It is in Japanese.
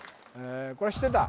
これ知ってた？